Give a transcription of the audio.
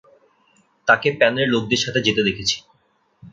তাকে প্যানের লোকদের সাথে যেতে দেখেছি।